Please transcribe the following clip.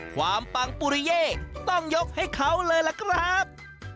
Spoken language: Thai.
ปังปุริเย่ต้องยกให้เขาเลยล่ะครับ